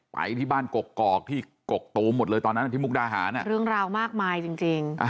ไปที่บ้านกกอกที่กกตูมหมดเลยตอนนั้นที่มุกดาหารเรื่องราวมากมายจริง